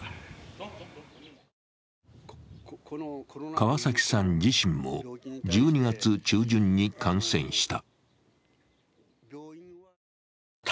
川崎さん自身も１２月中旬に感染した。